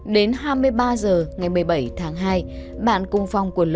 đến hai mươi ba giờ ngày một mươi bảy tháng hai bạn cung phong của l